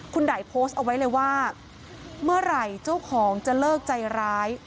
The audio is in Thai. คุณได่โพสต์เอาไว้เลยว่าเมื่อไหร่เจ้าของจะเลิกใจร้าย